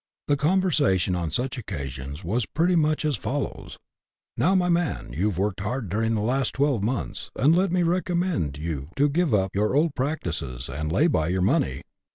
The conversation on such occasions was pretty much as follows :—" Now, my man, you've worked hard during the last twelve months, and let me recommend you to give up your old practices, and lay by your money."